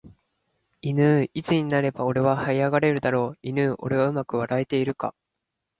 いぬーいつになれば俺は這い上がれるだろういぬー俺はうまく笑えているか